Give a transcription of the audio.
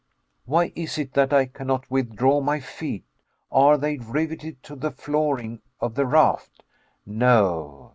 Why is it that I cannot withdraw my feet? Are they riveted to the flooring of the raft? No.